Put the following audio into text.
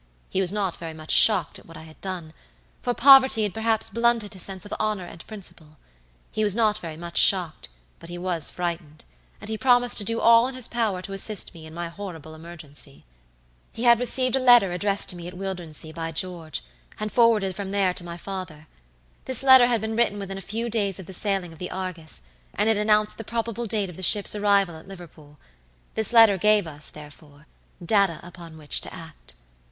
He was not very much shocked at what I had done, for poverty had perhaps blunted his sense of honor and principle. He was not very much shocked, but he was frightened, and he promised to do all in his power to assist me in my horrible emergency. "He had received a letter addressed to me at Wildernsea, by George, and forwarded from there to my father. This letter had been written within a few days of the sailing of the Argus, and it announced the probable date of the ship's arrival at Liverpool. This letter gave us, therefore, data upon which to act.